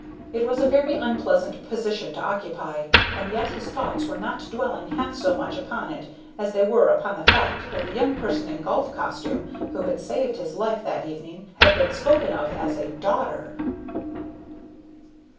It was a very unpleasant position to occupy, and yet his thoughts were not dwelling half so much upon it as they were upon the fact that the young person in golf costume who had saved his life that evening had been spoken of as a daughter.